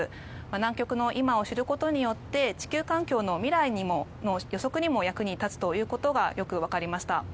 南極の今を知ることによって地球環境の未来の予測にも役に立つということがよく分かりました。